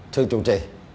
thư trụ trì